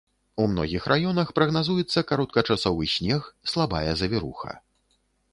У многіх раёнах прагназуецца кароткачасовы снег, слабая завіруха.